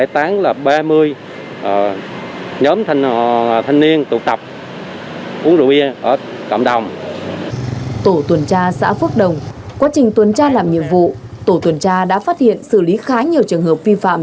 tổ tuần tra xã phước đồng quá trình tuần tra làm nhiệm vụ tổ tuần tra đã phát hiện xử lý khá nhiều trường hợp vi phạm